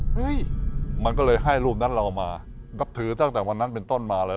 เฮ้ยมันก็เลยให้รูปนั้นเรามานับถือตั้งแต่วันนั้นเป็นต้นมาเลย